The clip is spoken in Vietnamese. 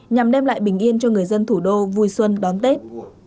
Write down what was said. nhằm đem lại bình yên cho người dân thủ đô vui xuân đón tết